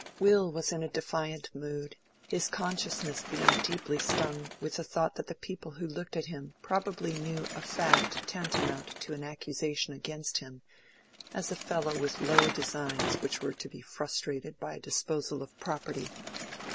Will was in a defiant mood, his consciousness being deeply stung with the thought that the people who looked at him probably knew a fact tantamount to an accusation against him as a fellow with low designs which were to be frustrated by a disposal of property.